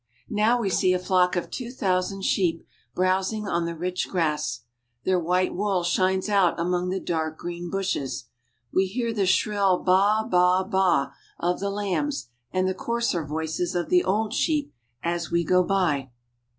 Now we see a flock of two thousand sheep browsing on the rich grass. Their white wool shines out among the dark green bushes. We hear the shrill baa, baa, baa, of the lambs and the coarser voices of the old sheep as we go by.